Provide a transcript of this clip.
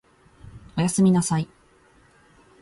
お休みなさい